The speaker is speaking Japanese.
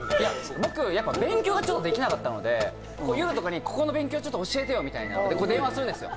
僕やっぱ勉強がちょっとできなかったので夜とかにここの勉強ちょっと教えてよみたいな電話するんですよ